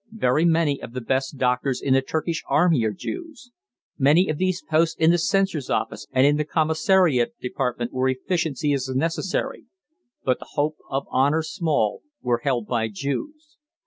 Very many of the best doctors in the Turkish army are Jews; many of these posts in the censor's office and in the commissariat department where efficiency is necessary, but the hope of honor small, were held by Jews.